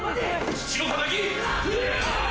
父の敵！